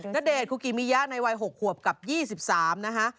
ณเดชนคุกิมิยะในวัย๖ขวบกับ๒๓นะคะ